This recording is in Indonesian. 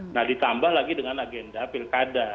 nah ditambah lagi dengan agenda pilkada